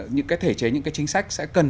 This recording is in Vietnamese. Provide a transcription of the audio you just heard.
những cái thể chế những cái chính sách sẽ cần